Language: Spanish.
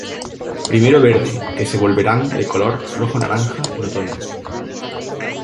Primero verde, que se volverán de color rojo-naranja en otoño.